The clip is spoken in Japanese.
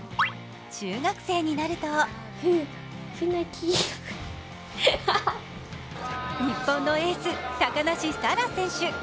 中学生になると日本のエース、高梨沙羅選手